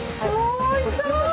おいしそう！